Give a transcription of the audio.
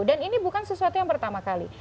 dan ini bukan sesuatu yang pertama kali